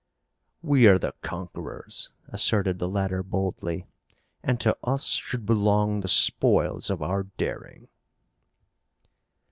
"We are the conquerors," asserted the latter boldly, "and to us should belong the spoils of our daring!"